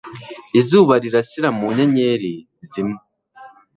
izuba rirasira mu nyenyeri zimwe